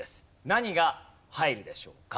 何が入るでしょうか？